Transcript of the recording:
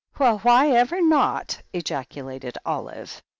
"Well, whyever not!" ejaculated Olive.